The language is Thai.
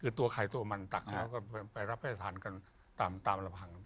คือตัวไข่ตัวมันตักแล้วก็ไปรับให้ทานกันตามลำพัง